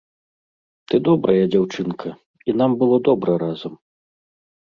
Ты добрая дзяўчынка, і нам было добра разам.